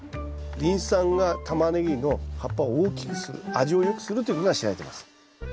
リン酸がタマネギの葉っぱを大きくする味をよくするということが知られてます。